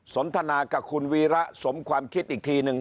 สนทนากับคุณวีระสมความคิดอีกทีนึง